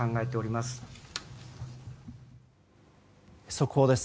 速報です。